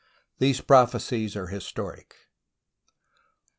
These prophecies are historic.